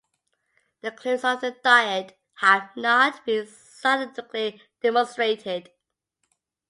The claims of the diet have not been scientifically demonstrated.